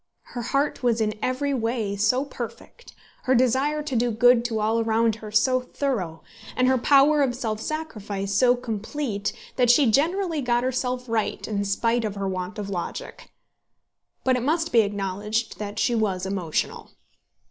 Her heart was in every way so perfect, her desire to do good to all around her so thorough, and her power of self sacrifice so complete, that she generally got herself right in spite of her want of logic; but it must be acknowledged that she was emotional.